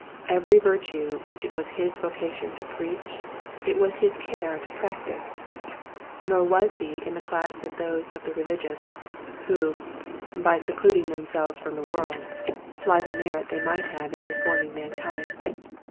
Every virtue which it was his vocation to preach, it was his care to practise; nor was he in the class of those of the religious, who, by secluding themselves from the world, fly the merit they might have in reforming mankind.